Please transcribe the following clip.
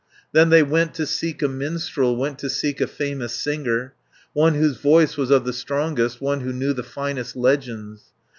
Then they went to seek a minstrel, Went to seek a famous singer, One whose voice was of the strongest, One who knew the finest legends.